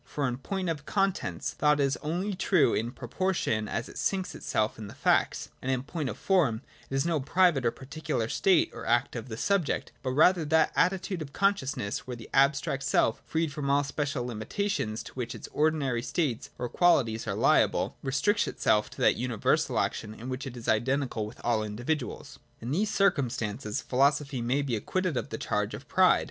For in point of contents, thought is only true in proportion as it sinks itself in the facts ; and in point of form it is no private or particular state or act of the subject, but rather that attitude of consciousness where the abstract self, freed from all the special limi tations to which its ordinary states or qualities are liable, restricts itself to that universal action in which it is identical with all individuals. In these circum stances philosophy may be acquitted of the charge of pride.